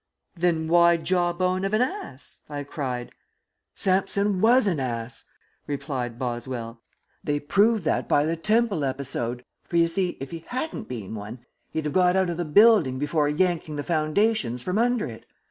"Then why jawbone of an ass?" I cried. "Samson was an ass," replied Boswell. "They prove that by the temple episode, for you see if he hadn't been one he'd have got out of the building before yanking the foundations from under it.